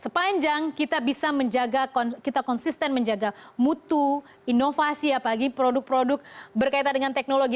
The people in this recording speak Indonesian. sepanjang kita bisa menjaga kita konsisten menjaga mutu inovasi apalagi produk produk berkaitan dengan teknologi